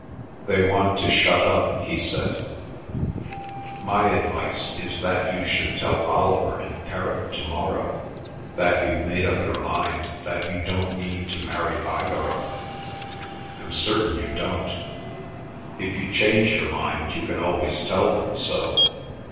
"They want to shut up," he said. "My advice is that you should tell Oliver and Perrott to morrow that you've made up your mind that you don't mean to marry either of them. I'm certain you don't. If you change your mind you can always tell them so.